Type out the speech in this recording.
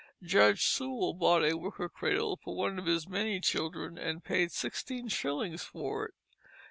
Judge Sewall bought a wicker cradle for one of his many children and paid sixteen shillings for it.